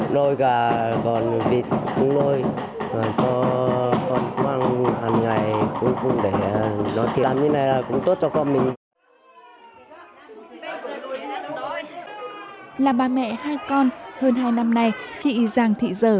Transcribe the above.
là bà mẹ hai con hơn hai năm nay chị giàng thị dở